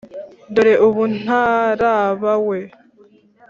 dore ubu ntaraba we.”